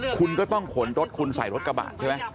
คุณก็ต้องขนรถคุณใส่รถกระบะใช่ไหม